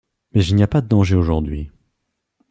Mais il n’y a pas de danger aujourd’hui.